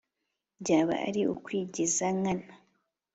byaba ari ukwigiza nkana.